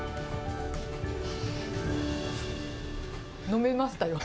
飲めましたよ。